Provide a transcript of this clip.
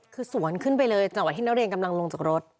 คือสวนขึ้นไปเลยจังหวะที่นักเรียนกำลังลงจากรถ